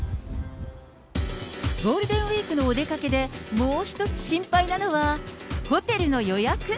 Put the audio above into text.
ゴールデンウィークのお出かけでもう一つ心配なのは、ホテルの予約。